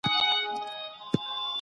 د انسان ازادي باید نه محدودېږي.